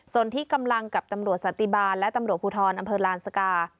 ส่วนที่กำลังกับตำรวจสันติบาลและตำรวจภูทรอำเภอลานสกา